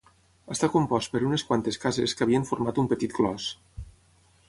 Està compost per unes quantes cases que havien format un petit clos.